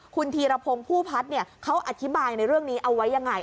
คุณธีรพงศ์ผู้พัฒน์เขาอธิบายในเรื่องนี้เอาไว้ยังไง